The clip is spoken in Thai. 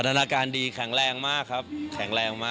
พัฒนาการดีแข็งแรงมากครับ